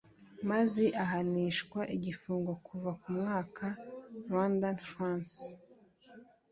mazi ahanishwa igifungo kuva ku mwaka rwandan francs